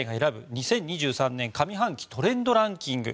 ２０２３年上半期トレンドランキング